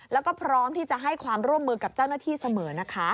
แล้วก็พร้อมที่จะให้ความร่วมมือกับเจ้าหน้าที่เสมอนะคะ